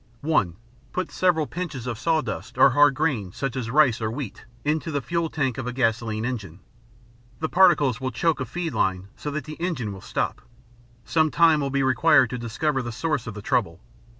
(1.) Put several pinches of sawdust or hard grain, such as rice or wheat, into the fuel tank of a gasoline engine. The particles will choke a feed line so that the engine will stop. Some time will be required to discover the source of the trouble.